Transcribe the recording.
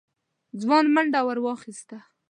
ځوان منډه ور واخيسته.